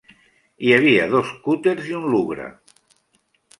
Hi havia dos cúters i un lugre.